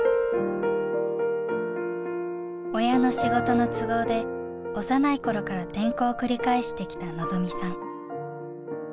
親の仕事の都合で幼い頃から転校を繰り返してきた望未さん。